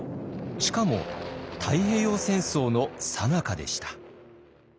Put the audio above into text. しかも太平洋戦争のさなかでした。